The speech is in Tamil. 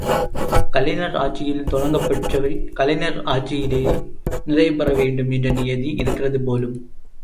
கலைஞர் ஆட்சியில் தொடங்கப் பெற்றவை கலைஞர் ஆட்சியிலேயே நிறைவு பெற வேண்டும் என்ற நியதி இருக்கிறது போலும்.